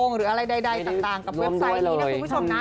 หรืออะไรใดต่างกับเว็บไซต์นี้นะคุณผู้ชมนะ